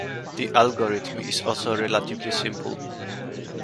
The algorithm is also relatively simple.